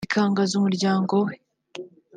ikangaza umuryango we